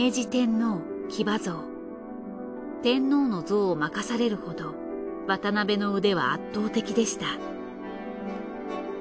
天皇の像を任されるほど渡辺の腕は圧倒的でした。